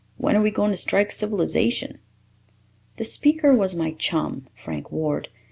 When are we going to strike civilization?" The speaker was my chum, Frank Ward.